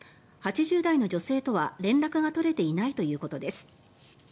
８０代の女性とは連絡が取れていないということです。